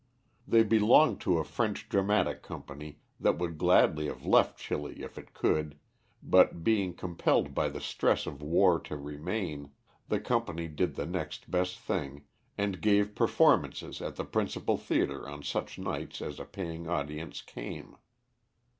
They belonged to a French dramatic company that would gladly have left Chili if it could, but, being compelled by stress of war to remain, the company did the next best thing, and gave performances at the principal theatre on such nights as a paying audience came.